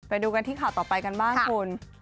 ไปดูกันที่ข่าวต่อไปกันบ้างคุณ